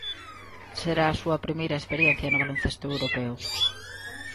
Será a súa primeira experiencia no baloncesto europeo.